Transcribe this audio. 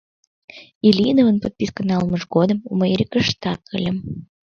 «Ильиновын подписка налмыж годым мый рикыштак ыльым.